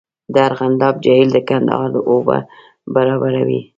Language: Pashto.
د ارغنداب جهیل د کندهار اوبه برابروي